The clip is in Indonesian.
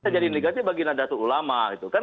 jadi negatif bagi nadatul ulama gitu kan